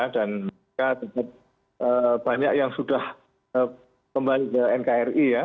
dan mereka tetap banyak yang sudah kembali ke nkri ya